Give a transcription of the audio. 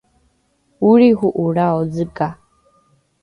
olriho’olrao zega